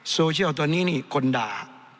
โซเชียลตัวนี้นี่คนด่า